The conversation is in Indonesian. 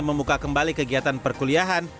memuka kembali kegiatan perkuliahan